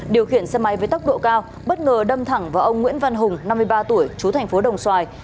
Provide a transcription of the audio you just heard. điều khiển xe máy với tốc độ cao bất ngờ đâm thẳng vào ông nguyễn văn hùng năm mươi ba tuổi chú thành phố đồng xoài